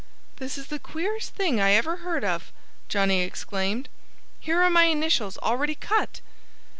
"This is the queerest thing I ever heard of!" Johnnie exclaimed. "Here are my initials already cut!"